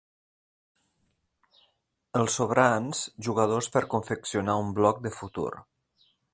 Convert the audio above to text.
Els sobrants, jugadors per confeccionar un bloc de futur.